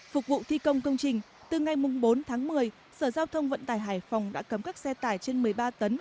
phục vụ thi công công trình từ ngày bốn tháng một mươi sở giao thông vận tải hải phòng đã cấm các xe tải trên một mươi ba tấn